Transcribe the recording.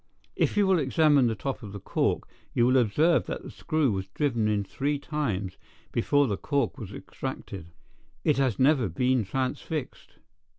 If you will examine the top of the cork, you will observe that the screw was driven in three times before the cork was extracted. It has never been transfixed.